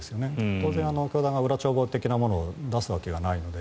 当然、裏帳簿的なものを出すわけはないので。